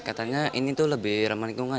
katanya ini tuh lebih ramah lingkungan